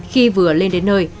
khi vừa lên đến nơi